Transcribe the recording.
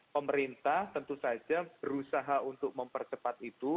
pemerintah tentu saja berusaha untuk mempercepat itu